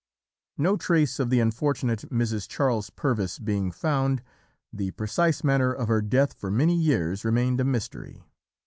"No trace of the unfortunate Mrs. Charles Purvis being found, the precise manner of her death for many years remained a mystery.